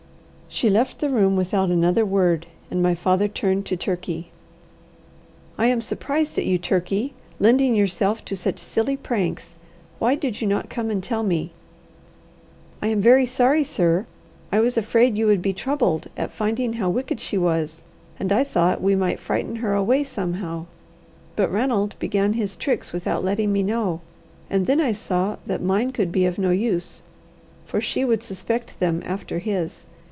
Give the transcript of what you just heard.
She left the room without another word, and my father turned to Turkey. "I am surprised at you, Turkey, lending yourself to such silly pranks. Why did you not come and tell me." "I am very sorry, sir. I was afraid you would be troubled at finding how wicked she was, and I thought we might frighten her away somehow. But Ranald began his tricks without letting me know, and then I saw that mine could be of no use, for she would suspect them after his.